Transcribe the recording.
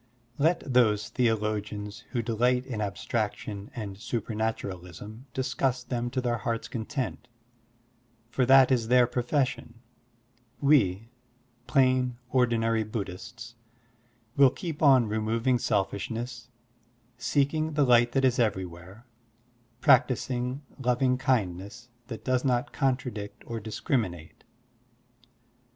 Let those theologians who delight in abstraction and supematuralism discuss them to their hearts' content, for that is their profession. We, plain ordinary Bud dhists, will keep on removing selfishness, seeking the light that is ever5rwhere, practising loving Digitized by Google WHAT IS BUDDHISM? 89 kindness that does not contradict or discriminate.